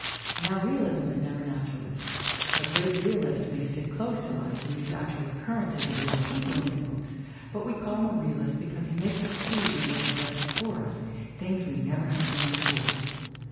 Now realism is never naturalism. A great realist may stick close to life and use actual occurrences or real people in his books but we call him a realist be 234 THE WOMEN WHO MAKE OUR NOVELS cause he makes us see in what he sets before us things we never have seen before.